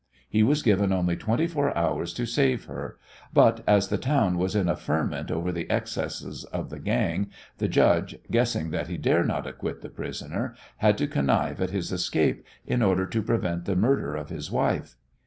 He was given only twenty four hours to save her, but, as the town was in a ferment over the excesses of the gang, the judge, guessing that he dare not acquit the prisoner, had to connive at his escape in order to prevent the murder of his wife.